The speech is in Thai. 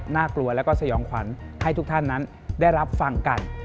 น่ากลัวแล้วก็สยองขวัญให้ทุกท่านนั้นได้รับฟังกัน